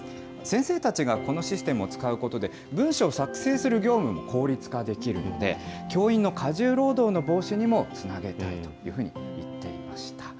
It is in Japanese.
先生たちがこのシステムを使うことで、文書を作成する業務を効率化できるので、教員の過重労働の防止にもつなげたいというふうに言っていました。